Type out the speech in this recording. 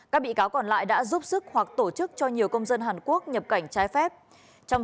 các bị cáo còn lại đã giúp sức hoặc tổ chức cho nhiều công dân hàn quốc nhập cảnh trái phép